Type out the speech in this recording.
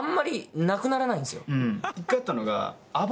一回あったのが。